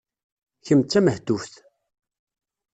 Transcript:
Kemm d tamehtuft.